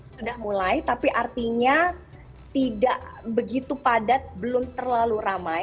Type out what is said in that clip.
sudah mulai tapi artinya tidak begitu padat belum terlalu ramai